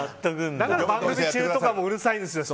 だから番組中とかもうるさいんですね。